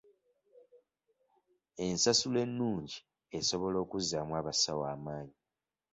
Ensasula ennungi esobola okuzzaamu abasawo amaanyi .